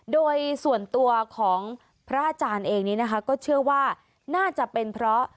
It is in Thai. โดยส่วนตัวของพระอาจารย์เองนี้นะคะก็เชื่อว่าน่าจะเป็นเพราะ